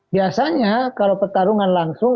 biasanya kalau pertarungan langsung